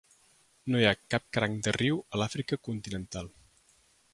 No hi ha cap cranc de riu a l'Àfrica continental.